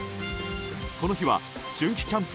この日は春季キャンプ